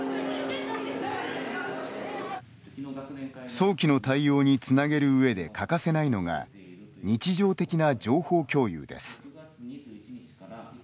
早期の対応につなげる上で欠かせないのが日常的な情報共有です。